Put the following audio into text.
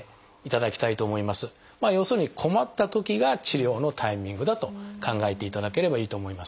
要するに困ったときが治療のタイミングだと考えていただければいいと思います。